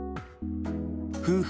夫婦